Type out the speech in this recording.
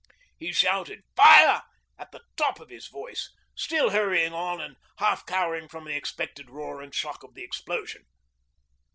He shouted 'Fire!' at the top of his voice, still hurrying on and half cowering from the expected roar and shock of the explosion.